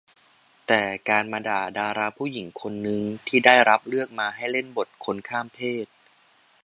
แต่การมาด่าดาราผู้หญิงคนนึงที่ได้รับเลือกมาให้เล่นบทคนข้ามเพศ